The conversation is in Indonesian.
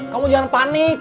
kamu jangan panik